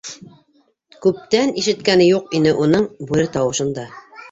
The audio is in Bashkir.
- Күптән ишеткәне юҡ ине уның бүре тауышын да.